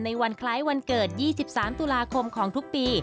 วันคล้ายวันเกิด๒๓ตุลาคมของทุกปี